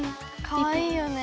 かわいいよね。